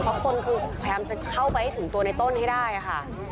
เพราะคนคือพยายามจะเข้าไปให้ถึงตัวในต้นให้ได้ค่ะ